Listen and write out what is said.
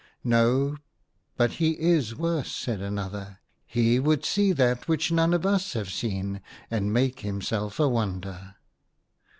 " No, but he is worse," said another ;" he would see that which none of us have seen, and make himself a wonder."